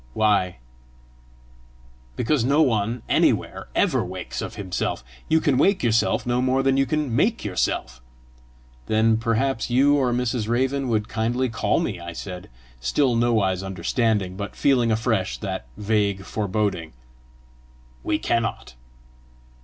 "Why?" "Because no one anywhere ever wakes of himself. You can wake yourself no more than you can make yourself." "Then perhaps you or Mrs. Raven would kindly call me!" I said, still nowise understanding, but feeling afresh that vague foreboding. "We cannot."